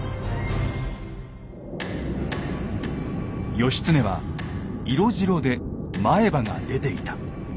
義経は色白で前歯が出ていた。